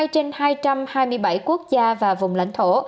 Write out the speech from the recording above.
trên hai trăm hai mươi bảy quốc gia và vùng lãnh thổ